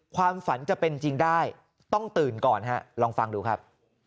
ความฝันจะเป็นจริงได้ต้องตื่นก่อนฮะลองฟังดูครับ